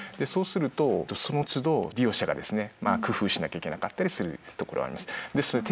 そうするとそのつど利用者がですね工夫しなきゃいけなかったりするところもあります。